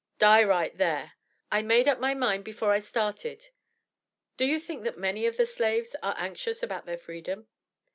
"Die right there. I made up my mind before I started." "Do you think that many of the slaves are anxious about their Freedom?"